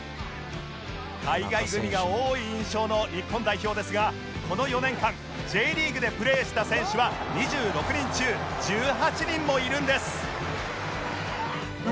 海外組が多い印象の日本代表ですがこの４年間 Ｊ リーグでプレーした選手は２６人中１８人もいるんです